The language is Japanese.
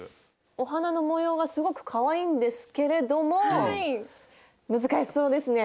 お花の模様がすごくかわいいんですけれども難しそうですね？